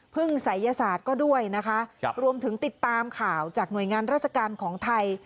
ศัยศาสตร์ก็ด้วยนะคะรวมถึงติดตามข่าวจากหน่วยงานราชการของไทย